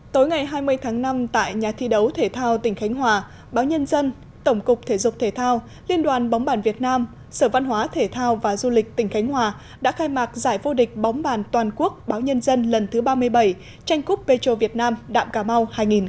tối ngày hai mươi tháng năm tại nhà thi đấu thể thao tỉnh khánh hòa báo nhân dân tổng cục thể dục thể thao liên đoàn bóng bàn việt nam sở văn hóa thể thao và du lịch tỉnh khánh hòa đã khai mạc giải vô địch bóng bàn toàn quốc báo nhân dân lần thứ ba mươi bảy tranh cúp petro việt nam đạm cà mau hai nghìn một mươi chín